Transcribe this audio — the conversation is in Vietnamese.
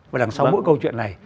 và đằng sau mỗi câu chuyện này